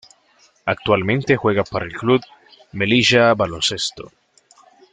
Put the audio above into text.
Actualmente juega para el Club Melilla Baloncesto.